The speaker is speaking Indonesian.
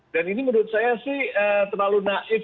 dan ini menurut saya sih terlalu naif